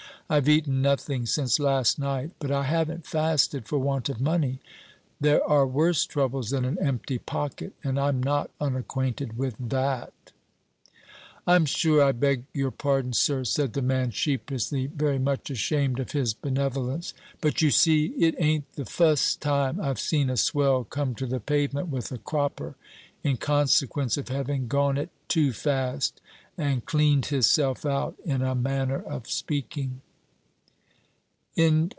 "I've eaten nothing since last night; but I haven't fasted for want of money. There are worse troubles than an empty pocket, and I'm not unacquainted with that." "I'm sure I beg your pardon, sir," said the man, sheepishly, very much ashamed of his benevolence; "but, you see, it ain't the fust time I've seen a swell come to the pavement with a cropper, in consequence of having gone it too fast, and cleaned hisself out, in a manner of speaking."